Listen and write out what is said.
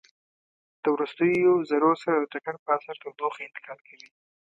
د وروستیو ذرو سره د ټکر په اثر تودوخه انتقال کوي.